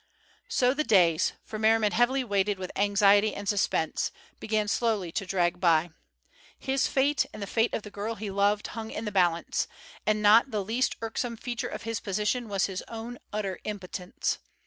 So the days, for Merriman heavily weighted with anxiety and suspense, began slowly to drag by. His fate and the fate of the girl he loved hung in the balance, and not the least irksome feature of his position was his own utter impotence.